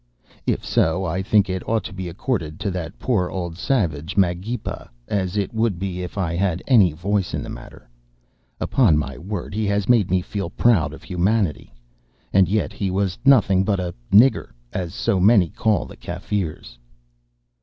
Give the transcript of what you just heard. If so I think it ought to be accorded to that poor old savage, Magepa, as it would be if I had any voice in the matter. Upon my word he has made me feel proud of humanity. And yet he was nothing but a 'nigger,' as so many call the Kaffirs."